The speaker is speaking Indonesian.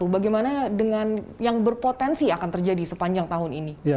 bagaimana dengan yang berpotensi akan terjadi sepanjang tahun ini